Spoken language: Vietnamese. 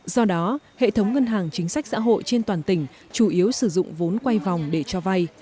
do đó hệ thống ngân hàng chính sách xã hội trên toàn tỉnh chủ yếu sử dụng vốn quay vòng để cho vay